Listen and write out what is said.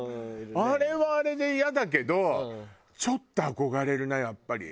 あれはあれでイヤだけどちょっと憧れるなやっぱり。